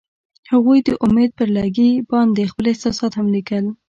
هغوی د امید پر لرګي باندې خپل احساسات هم لیکل.